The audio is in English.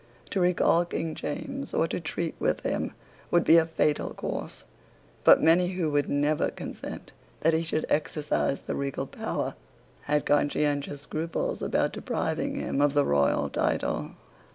To recall King James, or to treat with him, would be a fatal course; but many who would never consent that he should exercise the regal power had conscientious scruples about depriving him of the royal title.